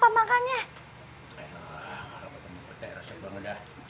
lampet sama petai rasanya banget dah